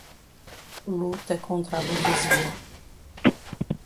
luta contra a burguesia